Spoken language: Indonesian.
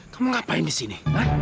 kamu ngapain disini